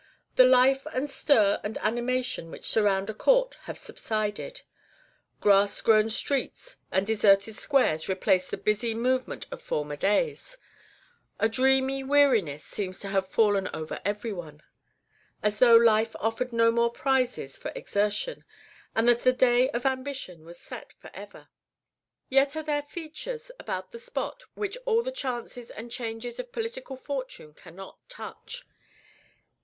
The life and stir and animation which surround a court have subsided; grass grown streets and deserted squares replace the busy movement of former days; a dreamy weariness seems to have fallen over every one, as though life offered no more prizes for exertion, and that the day of ambition was set forever. Yet are there features about the spot which all the chances and changes of political fortune cannot touch.